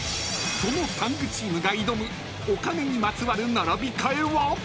［そのＴＡＮＧチームが挑むお金にまつわる並び替えは？］